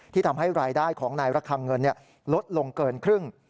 ทำให้รายได้ของนายระคังเงินลดลงเกินครึ่ง